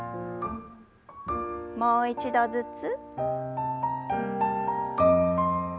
もう一度ずつ。